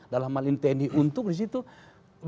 dalam hal ini tni untuk disediakan ya